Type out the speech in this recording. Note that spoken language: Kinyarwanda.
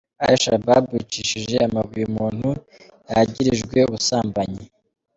Al-Shabab yicishije amabuye umuntu yagirijwe ubusambanyi.